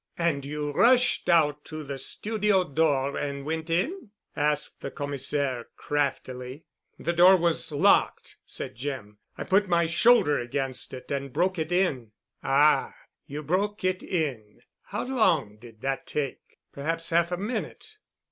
"And you rushed out to the studio door and went in?" asked the Commissaire craftily. "The door was locked," said Jim. "I put my shoulder against it and broke it in." "Ah. You broke it in? How long did that take?" "Perhaps half a minute."